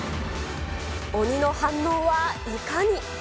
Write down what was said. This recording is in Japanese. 鬼の反応はいかに。